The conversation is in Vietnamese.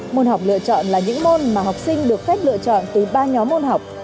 môn học lựa chọn là những môn mà học sinh được phép lựa chọn từ ba nhóm môn học